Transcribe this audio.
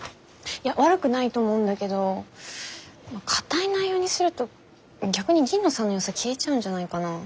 いや悪くないと思うんだけど硬い内容にすると逆に神野さんのよさ消えちゃうんじゃないかな。